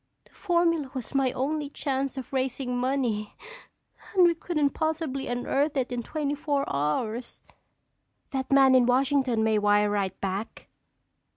"The formula was my only chance of raising money and we couldn't possibly unearth it in twenty four hours." "That man in Washington may wire right back."